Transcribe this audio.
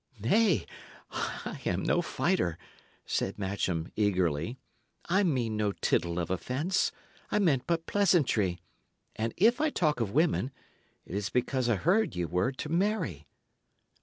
"Nay, I am no fighter," said Matcham, eagerly. "I mean no tittle of offence. I meant but pleasantry. And if I talk of women, it is because I heard ye were to marry."